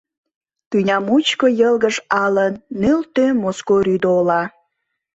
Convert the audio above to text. Тӱня мучко йылгыж алын Нӧлтӧ Моско рӱдола.